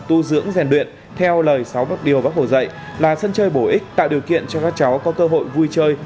tu dưỡng rèn luyện theo lời sáu bác điều bác hồ dạy là sân chơi bổ ích tạo điều kiện cho các cháu có cơ hội vui chơi